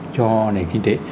cho nền kinh tế